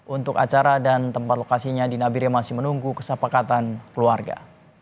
untuk acara dan tempat lokasinya di nabire masih menunggu kesepakatan keluarga